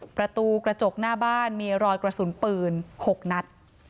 ประตูกระจกหน้าบ้านมีรอยกระสุนปืน๖นัด